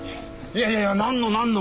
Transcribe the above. いやいやなんのなんの。